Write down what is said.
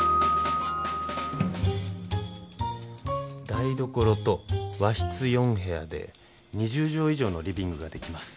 台所と和室４部屋で２０畳以上のリビングが出来ます。